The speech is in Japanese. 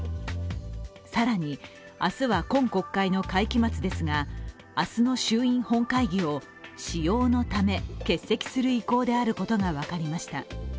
更に、明日は今国会の会期末ですが明日の衆院本会議を私用のため欠席する意向であることが分かりました。